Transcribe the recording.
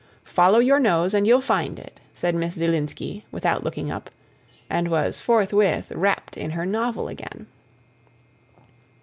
"Follow your nose and you'll find it!" said Miss Zielinski without looking up, and was forthwith wrapt in her novel again.